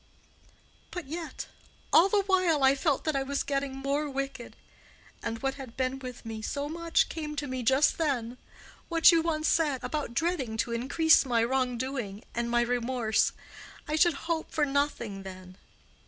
"But yet, all the while I felt that I was getting more wicked. And what had been with me so much, came to me just then—what you once said—about dreading to increase my wrong doing and my remorse—I should hope for nothing then.